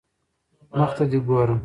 مخ ته دي ګوره